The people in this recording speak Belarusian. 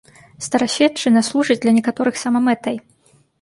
Старасветчына служыць для некаторых самамэтай.